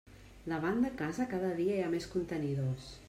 Davant de casa cada dia hi ha més contenidors.